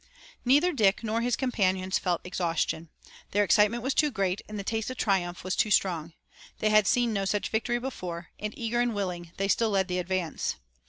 Neither Dick nor his companions felt exhaustion. Their excitement was too great, and the taste of triumph was too strong. They had seen no such victory before, and eager and willing they still led the advance.